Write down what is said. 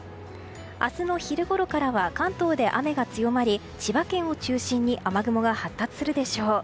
明日の昼ごろからは関東で雨が強まり千葉県を中心に雨雲が発達するでしょう。